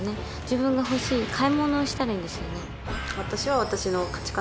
自分が欲しい買い物をしたらいいんですよね